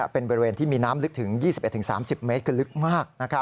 เป็นบริเวณที่มีน้ำลึกถึง๒๑๓๐เมตรคือลึกมาก